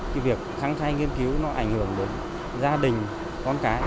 cái việc thăng thai nghiên cứu nó ảnh hưởng đến gia đình con cái